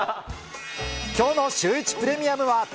きょうのシューイチプレミアムは。